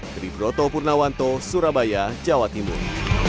dari broto purnawanto surabaya jawa timur